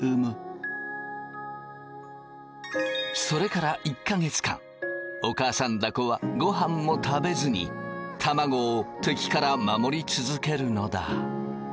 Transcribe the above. それから１か月間お母さんだこはごはんも食べずに卵を敵から守り続けるのだ。